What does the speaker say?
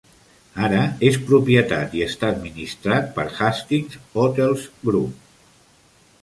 Ara és propietat i està administrat per Hastings Hotels Group.